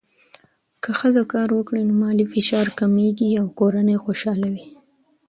که ښځه کار وکړي، نو مالي فشار کمېږي او کورنۍ خوشحاله وي.